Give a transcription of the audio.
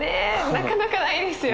なかなかないですよ。